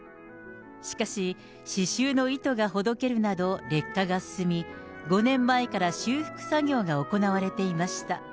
しかし、刺しゅうの糸がほどけるなど劣化が進み、５年前から修復作業が行われていました。